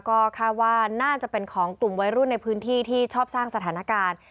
ก็คาดว่าน่าจะเป็นของกลุ่มวัยรุ่นในพื้นที่ที่ชอบสร้างสถานการณ์